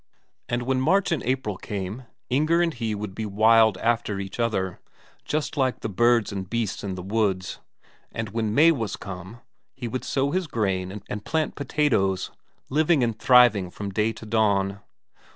And when March and April came, Inger and he would be wild after each other, just like the birds and beasts in the woods; and when May was come, he would sow his corn and plant potatoes, living and thriving from day to dawn.